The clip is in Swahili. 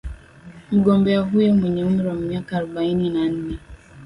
Mgombea huyo mwenye umri wa miaka arubaini na nne